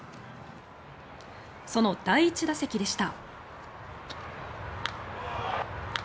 その第１打席でした。